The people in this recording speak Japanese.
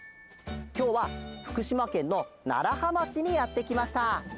きょうはふくしまけんのならはまちにやってきました。